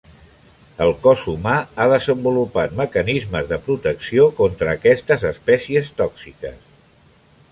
El cos humà ha desenvolupat mecanismes de protecció contra aquestes espècies tòxiques.